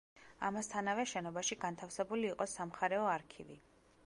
ამასთანავე შენობაში განთავსებული იყო სამხარეო არქივი.